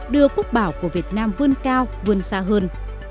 đưa quốc bảo của việt nam vươn cao vươn xa hơn